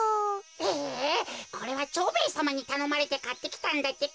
えっこれは蝶兵衛さまにたのまれてかってきたんだってか。